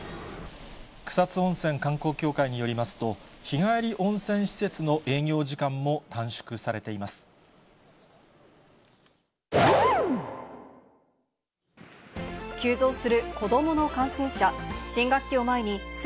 草津温泉観光協会によりますと、日帰り温泉施設の営業時間も短縮されています。